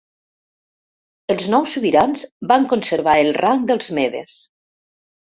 Els nous sobirans van conservar el rang dels medes.